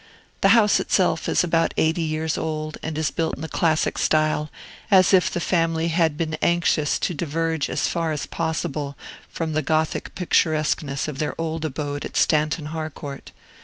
The house itself is about eighty years old, and is built in the classic style, as if the family had been anxious to diverge as far as possible from the Gothic picturesqueness of their old abode at Stanton Harcourt.